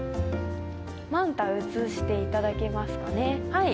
マンタ映していただけますかねはい。